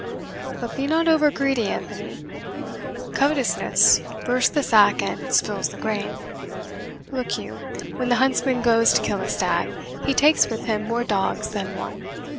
But be not over greedy, Anthony covetousness bursts the sack and spills the grain. Look you, when the huntsman goes to kill a stag, he takes with him more dogs than one.